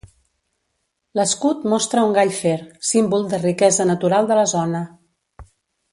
L'escut mostra un gall fer, símbol de riquesa natural de la zona.